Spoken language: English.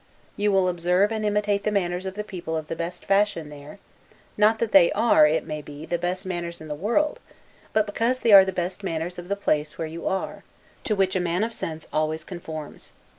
You will observe and imitate the manners of the people of the best fashion there; not that they are (it may be) the best manners in the world; but because they are the best manners of the place where you are, to which a man of sense always conforms.